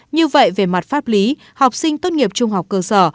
như vậy về mặt pháp lý học sinh tốt nghiệp trung học cơ sở